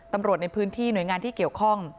ตำรวจในพื้นที่หน่วยงานที่เกี่ยวข้อง